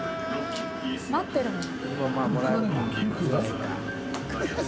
待ってるもん。